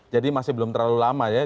jadi masih belum terlalu lama ya